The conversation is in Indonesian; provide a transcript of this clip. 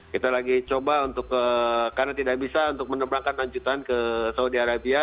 kita lagi coba untuk karena tidak bisa untuk menerbangkan lanjutan ke saudi arabia